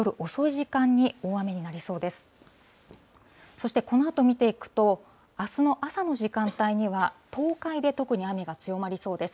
そしてこのあと見ていくと、あすの朝の時間帯には、東海で特に雨が強まりそうです。